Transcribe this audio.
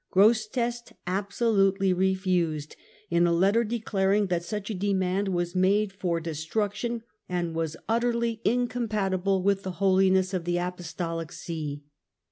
Grosseteste absolutely refused, in a letter declaring that such a demand was made for destruction, and was utterly incompatible with the holiness of the apostolic see.